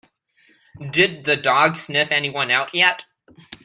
Did the dog sniff anyone out yet?